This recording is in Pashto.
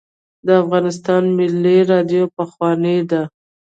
د افغانستان ملي راډیو پخوانۍ ده